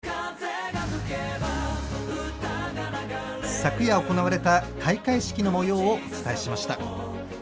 昨夜行われた開会式の模様をお伝えしました。